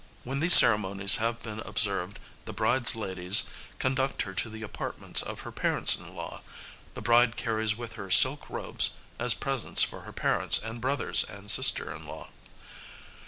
When these ceremonies have been observed, the bride's ladies conduct her to the apartments of her parents in law. The bride carries with her silk robes, as presents for her parents and brothers and sister in law.